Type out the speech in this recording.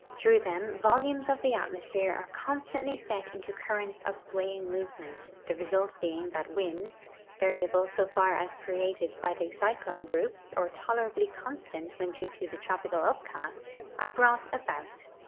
Through them volumes of the atmosphere are con stantly set into currents of swaying movement, the result being that winds (variable so far as created by the cyclone groups or tolerably constant Avhen due to the tropical upcast) are brought about.